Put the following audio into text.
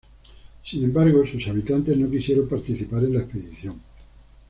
Sin embargo, sus habitantes no quisieron participar en la expedición.